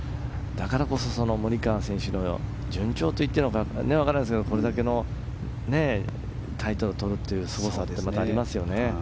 だからこそモリカワ選手の順調と言っていいのか分からないですけどこれだけのタイトルをとるすごさがありますよね。